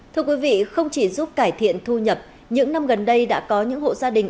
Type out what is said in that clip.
thưa quý vị không chỉ giúp cải thiện thu nhập những năm gần đây đã có những hộ gia đình